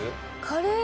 カレー？